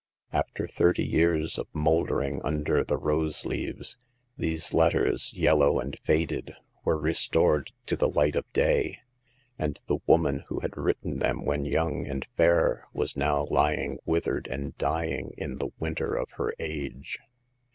After thirty years of moldering under the rose leaves, these letters, yellow and faded, were re stored to the light of day ; and the woman who had written them when young and fair was now lying withered and dying in the winter of her age.